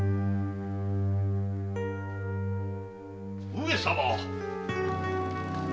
上様！